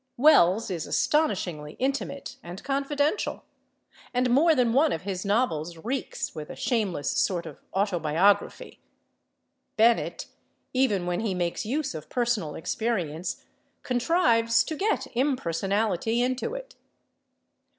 Wells is astonishingly intimate and confidential; and more than one of his novels reeks with a shameless sort of autobiography; Bennett, even when he makes use of personal experience, contrives to get impersonality into it.